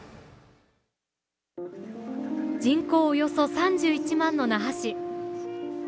人口およそ３１万の那覇市。